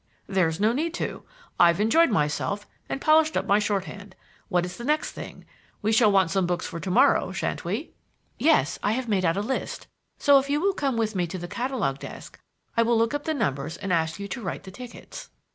"There's no need to. I've enjoyed myself and polished up my shorthand. What is the next thing? We shall want some books for to morrow, shan't we?" "Yes. I have made out a list, so if you will come with me to the catalogue desk I will look up the numbers and ask you to write the tickets."